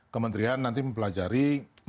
kementerian nanti mempelajari